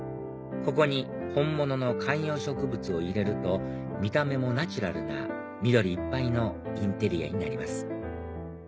ここに本物の観葉植物を入れると見た目もナチュラルな緑いっぱいのインテリアになります